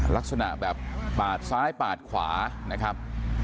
ลักษณะแบบปาดซ้ายปาดขวานะครับ